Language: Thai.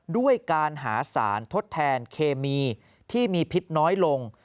ด้วยการหาสารทดแทนเคมีที่มีพิษน้อยลง